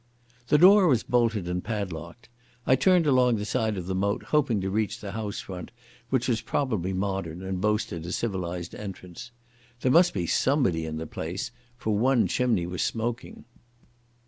The door was bolted and padlocked. I turned along the side of the moat, hoping to reach the house front, which was probably modern and boasted a civilised entrance. There must be somebody in the place, for one chimney was smoking.